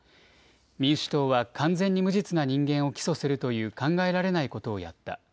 民主党は完全に無実な人間を起訴するという考えられないことをやった。